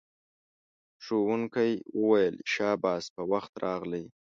ښوونکی وویل شاباس په وخت راغلئ.